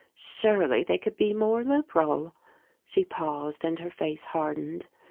Surely they could be more liberal." She paused and her face hardened.